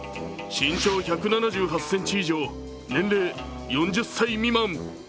身長１７８ｃｍ以上、年齢４０歳未満。